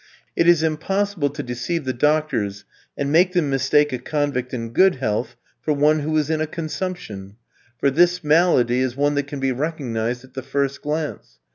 It is impossible to deceive the doctors and make them mistake a convict in good health for one who is in a consumption, for this malady is one that can be recognised at the first glance.